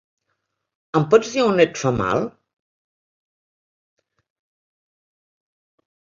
Em pots dir a on et fa mal?